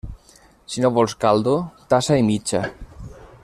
Si no vols caldo, tassa i mitja.